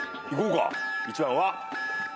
１番は。